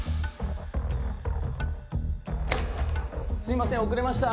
すいません遅れました。